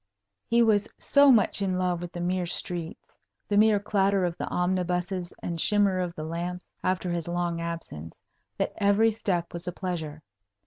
He was so much in love with the mere streets, the mere clatter of the omnibuses and shimmer of the lamps, after his long absence, that every step was pleasure.